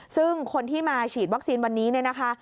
ซึ่งคนที่มาฉีดวัคซีนวันนี้เนี่ยนะคะ